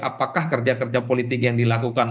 apakah kerja kerja politik yang dilakukan